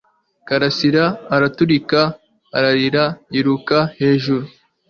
Karasira araturika ararira yiruka hejuru